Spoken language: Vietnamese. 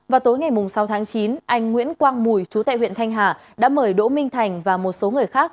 vào tối ngày sáu tháng chín anh nguyễn quang mùi chú tại huyện thanh hà đã mời đỗ minh thành và một số người khác